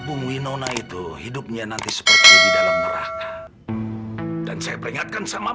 bung winona itu hidupnya nanti seperti di dalam neraka dan saya peringatkan sama